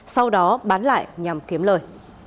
sau đó bán lại nhằm kiếm lời